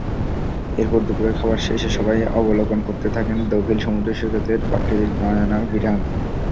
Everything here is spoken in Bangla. এরপর দুপুরের খাবার শেষে সবাই অবলোকন করতে থাকেন দোভিল সমুদ্রসৈকতের প্রাকৃতিক নয়নাভিরাম।